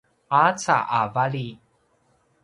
qaca a vali